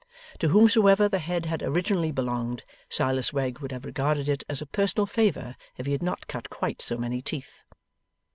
To whomsoever the head had originally belonged, Silas Wegg would have regarded it as a personal favour if he had not cut quite so many teeth.